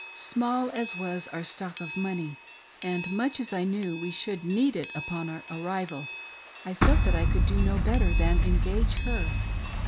Small as was our stock of money, and much as I knew we should need it upon our arrival, I felt that I could do no better than engage her.